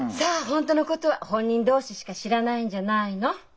本当のことは本人同士しか知らないんじゃないの。